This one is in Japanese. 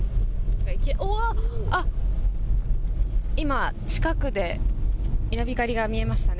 今、近くで稲光が見えましたね。